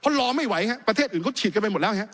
เพราะรอไม่ไหวครับประเทศอื่นก็ฉีดไปหมดแล้วครับ